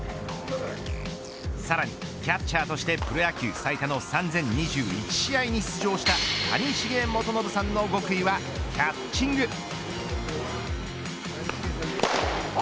さらに、キャッチャーとしてプロ野球最多の３０２１試合に出場した谷繁元信さんの極意はキャッチング。